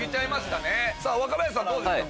若林さんどうですか？